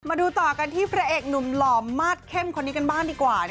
มาดูต่อกันที่พระเอกหนุ่มหล่อมาสเข้มคนนี้กันบ้างดีกว่า